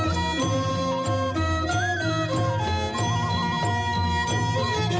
จริง